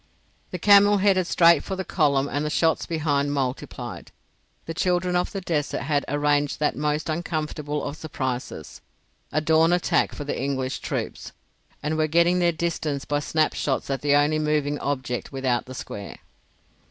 The camel headed straight for the column and the shots behind multiplied. The children of the desert had arranged that most uncomfortable of surprises, a dawn attack for the English troops, and were getting their distance by snap shots at the only moving object without the square.